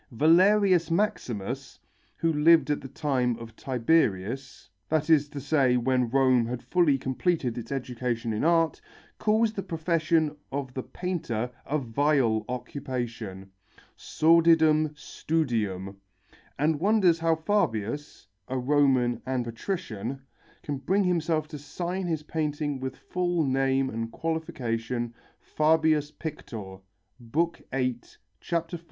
Valerius Maximus, who lived at the time of Tiberius, that is to say when Rome had fully completed its education in art, calls the profession of the painter a vile occupation (sordidum studium), and wonders how Fabius, a Roman and patrician, can bring himself to sign his painting with full name and qualification, "Fabius Pictor" (VIII, 14, 6).